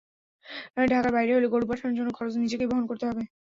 ঢাকার বাইরে হলে গরু পাঠানোর জন্য খরচ নিজেকেই বহন করতে হবে।